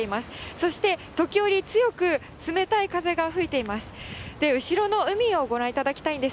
そして、時折、強く冷たい風が吹いています。